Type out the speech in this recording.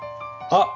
あ！